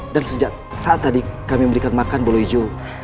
dan sejak saat tadi kami memberikan makan bolo ijo